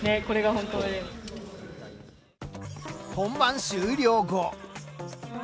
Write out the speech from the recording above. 本番終了後。